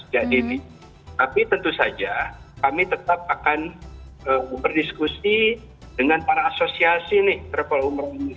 tapi tentu saja kami tetap akan berdiskusi dengan para asosiasi nih